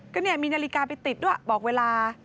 ก็เนี่ยมีนาฬิกาไปติดด้วยบอกเวลา